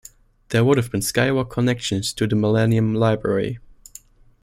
There would have been skywalk connections to the Millennium Library.